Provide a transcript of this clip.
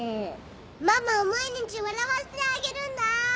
ママを毎日笑わせてあげるんだ！